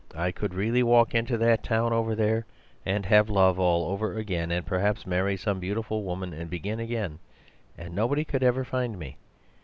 I could really walk into that town over there and have love all over again, and perhaps marry some beautiful woman and begin again, and nobody could ever find me.